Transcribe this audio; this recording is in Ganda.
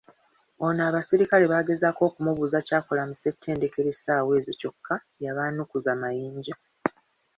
Ono abasirikale baagezaako okumubuuza ky'akola mu ssettendekero essawa ezo kyokka yabaanukuza mayinja.